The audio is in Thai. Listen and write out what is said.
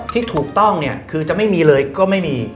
ที่ถูกต้องเนี่ยคือจะไม่มีเลยก็ไม่มี